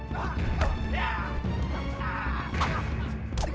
kau sudah kena kak